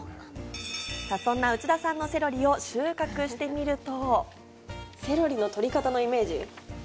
そんな内田さんのセロリを収穫してみると。